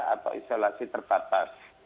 atau isolasi terbatas